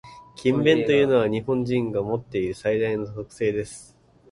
「勤勉」というのは、日本人が持っている最大の特性です。